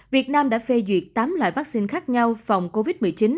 việt nam đã phê duyệt tám loại vắc xin khác nhau phòng covid một mươi chín